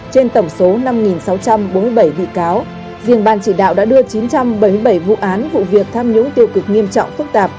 trên tổng số năm sáu trăm bốn mươi bảy bị cáo riêng ban chỉ đạo đã đưa chín trăm bảy mươi bảy vụ án vụ việc tham nhũng tiêu cực nghiêm trọng phức tạp